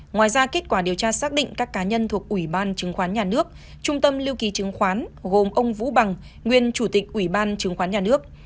ngoài ra kết quả điều tra xác định các cá nhân thuộc ủy ban chứng khoán nhà nước trung tâm lưu ký chứng khoán gồm ông vũ bằng nguyên chủ tịch ủy ban chứng khoán nhà nước